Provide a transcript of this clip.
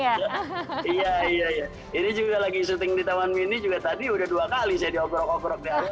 iya iya ini juga lagi syuting di taman mini juga tadi udah dua kali saya diobrok obrok di atas